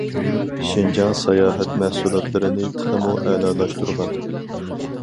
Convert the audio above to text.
شىنجاڭ ساياھەت مەھسۇلاتلىرىنى تېخىمۇ ئەلالاشتۇرغان.